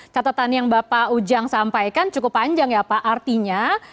catatan yang bapak ujang sampaikan cukup panjang ya pak artinya